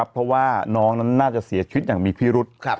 เพราะว่าน้องนั้นน่าจะเสียชีวิตอย่างมีพิรุษ